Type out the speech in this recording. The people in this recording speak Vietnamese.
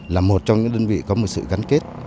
và một trong những đơn vị có sự gắn kết